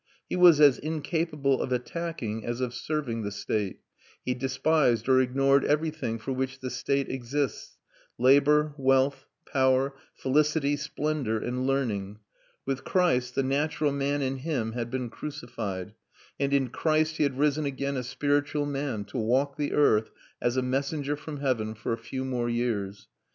He was as incapable of attacking as of serving the state; he despised or ignored everything for which the state exists, labour, wealth, power, felicity, splendour, and learning. With Christ the natural man in him had been crucified, and in Christ he had risen again a spiritual man, to walk the earth, as a messenger from heaven, for a few more years.